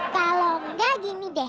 kalau nggak gini deh